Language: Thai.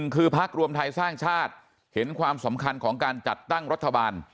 คือพักรวมไทยสร้างชาติเห็นความสำคัญของการจัดตั้งรัฐบาล